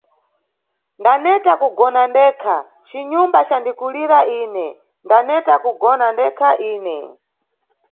Ndaneta kugona ndekha cinyumba candikulira ine, ndaneta kugona ndekha ine.